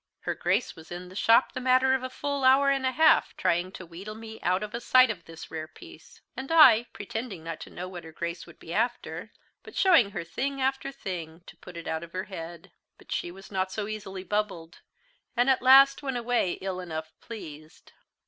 Her Grace was in the shop the matter of a full hour and a half, trying to wheedle me out of a sight of this rare piece; and I, pretending not to know what her Grace would be after, but showing her thing after thing, to put it out of her head. But she was not so easily bubbled, and at last went away ill enough pleased.